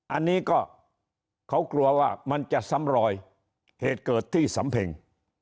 อันนี้ก็เขากลัวว่ามันจะซ้ำรอยเหตุเกิดที่สำเพ็ง